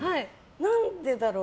何でだろう。